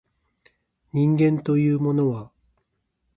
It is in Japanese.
人間というものは